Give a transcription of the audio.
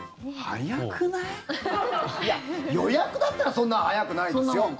早くない？いや、予約だったらそんな早くないですよ。